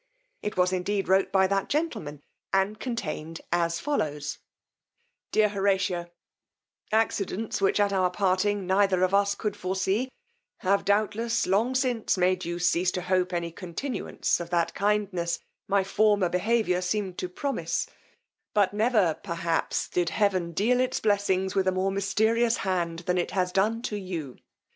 It was indeed wrote by that gentleman, and contained at follows: Dear Horatio, "Accidents, which at our parting neither of us could foresee, have doubtless long since made you cease to hope any continuance of that kindness my former behaviour seemed to promise; but never, perhaps did heaven deal its blessings with a more mysterious hand than it has done to you.